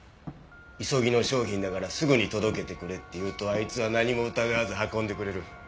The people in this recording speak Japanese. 「急ぎの商品だからすぐに届けてくれ」って言うとあいつは何も疑わず運んでくれる。